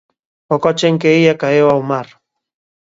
O coche en que ía caeu ao mar.